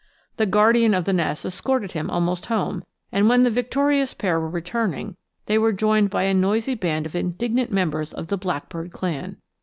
The guardian of the nest escorted him almost home, and when the victorious pair were returning they were joined by a noisy band of indignant members of the blackbird clan.